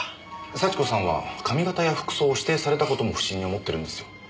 幸子さんは髪形や服装を指定された事も不審に思ってるんですよ。